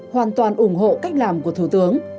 hoàn toàn ủng hộ cách làm của thủ tướng